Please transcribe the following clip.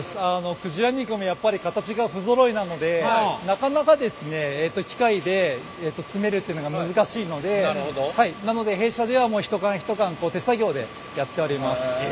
鯨肉もやっぱり形が不ぞろいなのでなかなか機械で詰めるっていうのが難しいのでなので弊社では一缶一缶手作業でやっております。